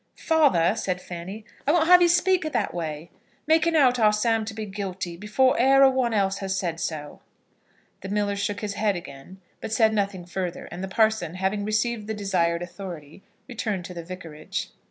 "Father," said Fanny, "I won't have you speak in that way, making out our Sam to be guilty before ere a one else has said so." The miller shook his head again, but said nothing further, and the parson, having received the desired authority, returned to the Vicarage.